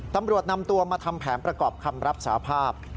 ตำรวจนำตัวมาทำแผนประกอบคำรับสาภาพ